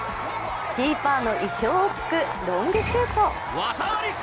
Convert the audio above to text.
キーパーの意表をつくロングシュート。